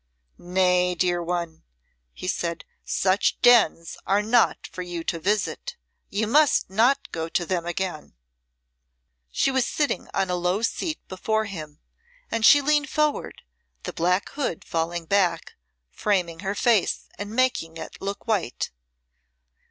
"Nay, dear one," he said, "such dens are not for you to visit. You must not go to them again." She was sitting on a low seat before him, and she leaned forward, the black hood falling back, framing her face and making it look white.